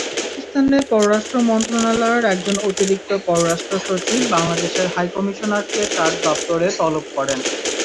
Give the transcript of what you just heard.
পাকিস্তানের পররাষ্ট্র মন্ত্রণালয়ের একজন অতিরিক্ত পররাষ্ট্রসচিব বাংলাদেশের হাইকমিশনারকে তাঁর দপ্তরে তলব করেন।